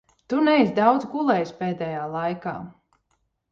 Tu neesi daudz gulējis pēdējā laikā.